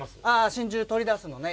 真珠とり出すのね